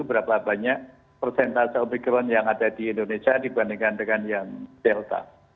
berapa banyak persentase omicron yang ada di indonesia dibandingkan dengan yang delta